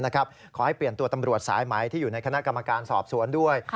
ขอให้เปลี่ยนตัวตำรวจสายไหมที่อยู่ในคณะกรรมการสอบสวนด้วย